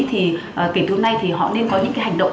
thì kể từ nay thì họ nên có những hành động